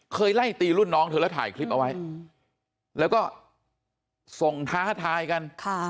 ไล่ตีรุ่นน้องเธอแล้วถ่ายคลิปเอาไว้แล้วก็ส่งท้าทายกัน